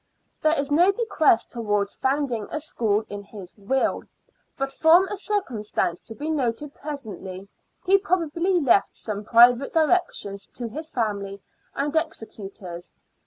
There is no bequest towards founding a school in his will, but from a circumstance to be noted presently, he probably left some private directions to his family and executors.